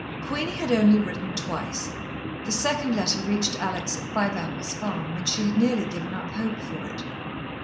Queenie had only written twice. The second letter reached Alex at Fiveapples Farm, when she had nearly given up hope for it.